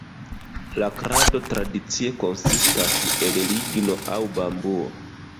La krado tradicie konsistas el ligno aŭ bambuo.